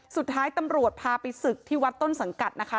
สุดท้ายตำรวจพาไปศึกที่วัดต้นสังกัดนะคะ